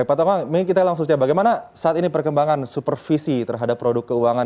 pak tongam minggir kita langsung saja bagaimana saat ini perkembangan supervisi terhadap produk keuangan